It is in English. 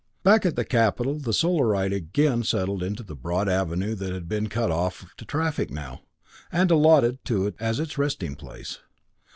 Back at the Capital the Solarite again settled into the broad avenue that had been cut off to traffic now, and allotted to it as its resting place.